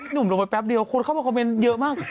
หนุ่มลงไปแป๊บเดียวคนเข้ามาคอมเมนต์เยอะมาก